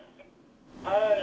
「はい」